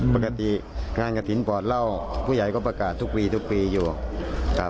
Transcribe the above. ปกติงานกระถิ่นปอดเหล้าผู้ใหญ่ก็ประกาศทุกปีทุกปีอยู่ครับ